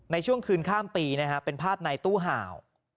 ในช่วงคืนข้ามปีนะฮะเป็นภาพในตู้ห่าว